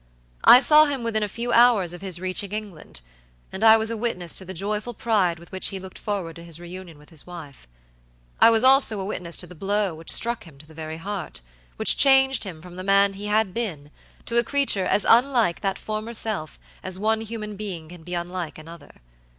I saw him within a few hours of his reaching England, and I was a witness to the joyful pride with which he looked forward to his re union with his wife. I was also a witness to the blow which struck him to the very heartwhich changed him from the man he had been to a creature as unlike that former self as one human being can be unlike another.